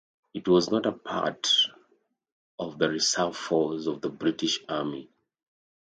It was not a part of the reserve force of the British Army.